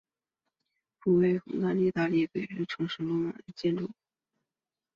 盖维拱门是意大利北部城市维罗纳的一座古罗马建筑。